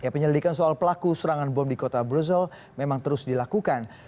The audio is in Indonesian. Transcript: penyelidikan soal pelaku serangan bom di kota brussel memang terus dilakukan